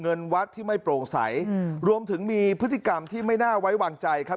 เงินวัดที่ไม่โปร่งใสรวมถึงมีพฤติกรรมที่ไม่น่าไว้วางใจครับ